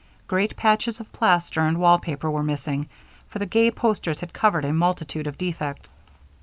Great patches of plaster and wall paper were missing, for the gay posters had covered a multitude of defects.